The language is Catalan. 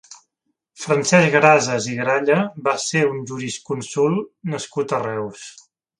Francesc Grases i Gralla va ser un jurisconsult nascut a Reus.